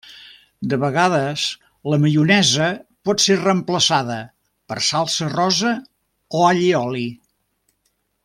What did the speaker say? De vegades, la maionesa pot ser reemplaçada, per salsa rosa o allioli.